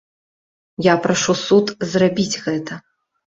Я прашу суд зрабіць гэта.